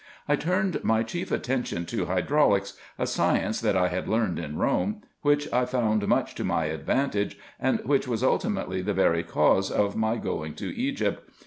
I turned my chief attention to hydraulics, a science that I had learned in Rome, which I found much to my advantage, and which was ultimately the very cause of my going to Egypt.